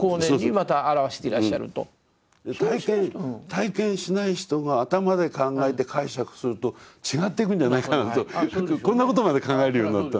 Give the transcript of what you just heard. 体験しない人が頭で考えて解釈すると違っていくんじゃないかなとこんなことまで考えるようになった。